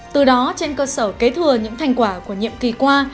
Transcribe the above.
từ đó trên cơ sở kế thừa những thành quả của nhiệm kỳ qua